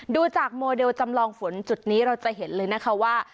ดูจากโมเดลจำลองฝนจุดนี้เราจะเห็นเลยนะคะว่า